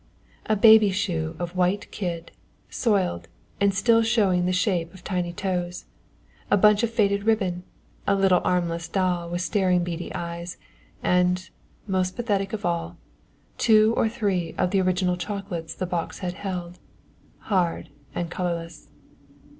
A baby shoe of white kid, soiled and still showing the shape of tiny toes, a bunch of faded ribbon, a little armless doll with staring beady eyes; and, most pathetic of all, two or three of the original chocolates the box had held hard and colourless.